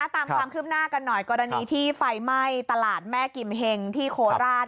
ตามความคืบหน้ากันหน่อยกรณีที่ไฟไหม้ตลาดแม่กิมเฮงที่โคราช